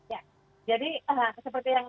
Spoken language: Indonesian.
ya jadi seperti yang